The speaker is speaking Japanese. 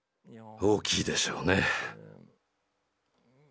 大きいでしょうね。